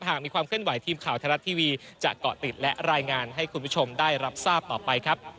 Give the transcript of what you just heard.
หากมีความเคลื่อนไหวทีมข่าวไทยรัฐทีวีจะเกาะติดและรายงานให้คุณผู้ชมได้รับทราบต่อไปครับ